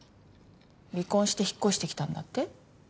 離婚して引っ越してきたんだって？